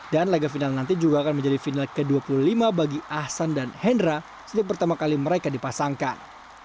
dan laga final nanti juga akan menjadi final ke dua puluh lima bagi ahsan dan hendra setelah pertama kali mereka dipasangkan